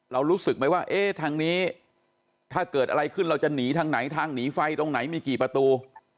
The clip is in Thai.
รู้สึกไหมว่าเอ๊ะทางนี้ถ้าเกิดอะไรขึ้นเราจะหนีทางไหนทางหนีไฟตรงไหนมีกี่ประตู